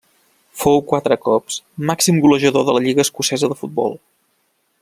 Fou quatre cops màxim golejador de la lliga escocesa de futbol.